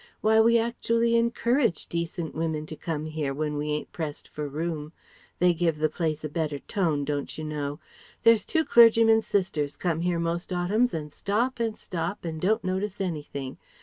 Why we actually encourage decent women to come here when we ain't pressed for room. They give the place a better tone, don't you know. There's two clergyman's sisters come here most autumns and stop and stop and don't notice anything.